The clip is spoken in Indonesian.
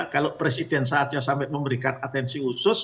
kalau presiden saatnya sampai memberikan atensi khusus